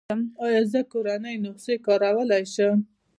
ایا زه کورنۍ نسخې کارولی شم؟